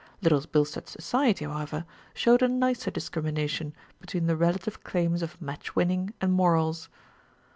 Little Bilstead Society, however, showed a nicer discrimination between the relative claims of match winning and morals.